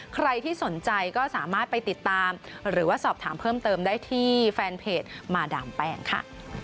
ใครที่สนใจก็สามารถไปติดตามหรือว่าสอบถามเพิ่มเติมได้ที่แฟนเพจมาดามแป้งค่ะ